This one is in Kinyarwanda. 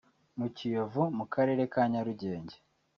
mu Kiyovu mu karere ka Nyarugenge